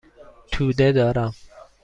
توده دارم.